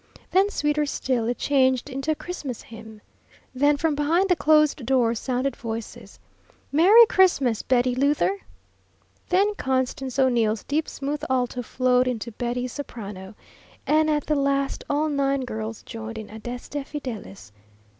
Then, sweeter still, it changed into a Christmas hymn. Then from behind the closed doors sounded voices: "Merry Christmas, Betty Luther!" Then Constance O'Neill's deep, smooth alto flowed into Betty's soprano; and at the last all nine girls joined in "Adeste Fideles."